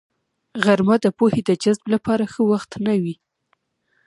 غرمه د پوهې د جذب لپاره ښه وخت نه وي